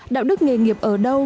đạo đức nghề nghiệp ở đâu